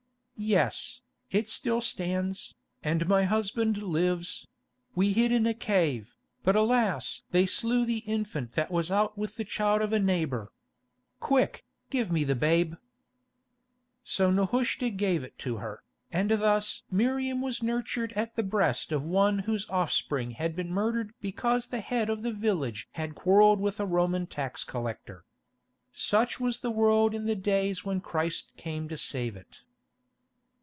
"Yes, it still stands, and my husband lives; we hid in a cave, but alas! they slew the infant that was out with the child of a neighbour. Quick, give me the babe." So Nehushta gave it to her, and thus Miriam was nurtured at the breast of one whose offspring had been murdered because the head of the village had quarrelled with a Roman tax collector. Such was the world in the days when Christ came to save it.